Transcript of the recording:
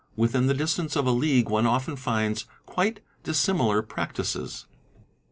Within the distance of a league one often finds quite dissimilar practices.